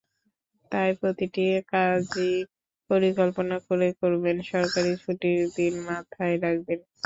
তাই প্রতিটি কাজই পরিকল্পনা করে করবেন, সরকারি ছুটির দিন মাথায় রাখবেন।